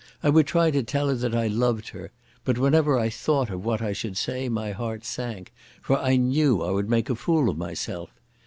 I would try to tell her that I loved her, but whenever I thought of what I should say my heart sank, for I knew I would make a fool of myself.